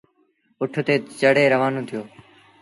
اُٺ تي چڙهي روآݩو ٿيٚو۔